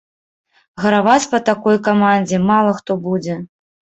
Гараваць па такой камандзе мала хто будзе.